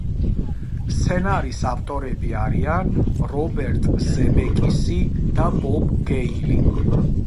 სცენარის ავტორები არიან რობერტ ზემეკისი და ბობ გეილი.